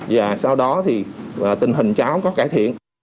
và sau đó thì tình hình cháu có cải thiện